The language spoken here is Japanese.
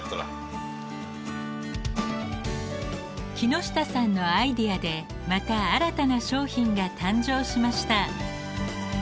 木下さんのアイデアでまた新たな商品が誕生しました。